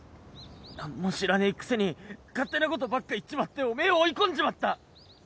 何も知らねえくせに勝手なことばっか言っちまっておめえを追い込んじまった！